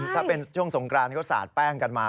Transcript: ถ้าเป็นช่วงสงกรานเขาสาดแป้งกันมา